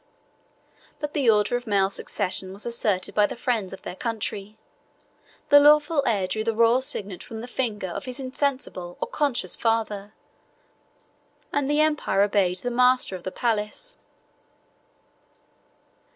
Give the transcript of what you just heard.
But the order of male succession was asserted by the friends of their country; the lawful heir drew the royal signet from the finger of his insensible or conscious father and the empire obeyed the master of the palace.